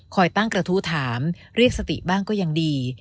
ตั้งกระทู้ถามเรียกสติบ้างก็ยังดี